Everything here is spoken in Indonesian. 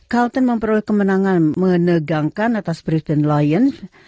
carlton memperoleh kemenangan menegangkan atas britain lions